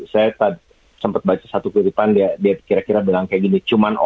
saya sempat baca satu kehidupan dia kira kira bilang kayak gini